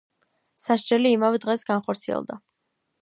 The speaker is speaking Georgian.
სასჯელი იმავე დღეს განხორციელდა.